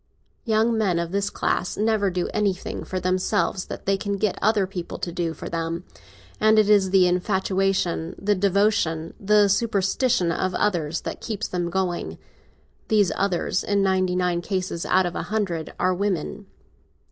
Young men of this class never do anything for themselves that they can get other people to do for them, and it is the infatuation, the devotion, the superstition of others that keeps them going. These others in ninety nine cases out of a hundred are women.